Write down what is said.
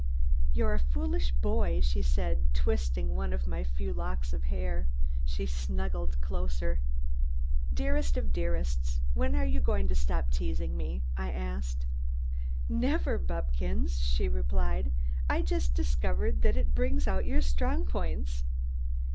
"You're a foolish boy," she said, twisting one of my few locks of hair. She snuggled closer. "Dearest of dearests, when are you going to stop teasing me?" I asked. "Never, Buppkins!" she replied. "I just discovered that it brings out your strong points."